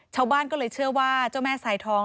ชาวบ้านก็เลยเชื่อว่าเจ้าแม่สายทอง